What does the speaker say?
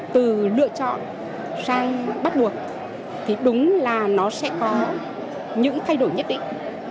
từ lựa chọn sang bắt buộc thì đúng là nó sẽ có những thay đổi nhất định